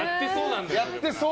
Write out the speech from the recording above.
やってそう。